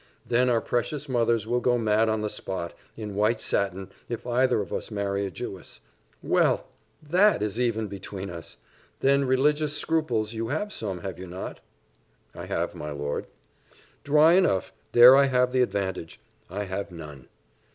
Then our precious mothers will go mad on the spot, in white satin, if either of us marry a Jewess. Well! that is even between us. Then religious scruples you have some, have not you?" "I have, my lord." "Dry enough there I have the advantage I have none.